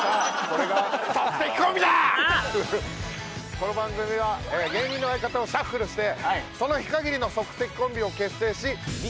この番組は芸人の相方をシャッフルしてその日限りの即席コンビを結成し。